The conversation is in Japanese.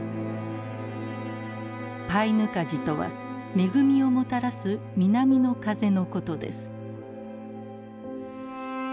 「パイヌカジ」とは恵みをもたらす南の風のことです。